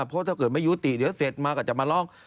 เพราะถ้าเกิดไม่ยุติเดี๋ยวเสร็จมาก็จะมาร้อง